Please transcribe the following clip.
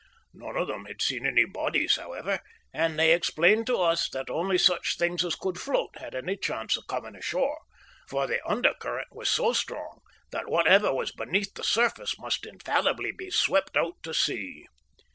None of them had seen any bodies, however, and they explained to us that only such things as could float had any chance of coming ashore, for the undercurrent was so strong that whatever was beneath the surface must infallibly be swept out to sea.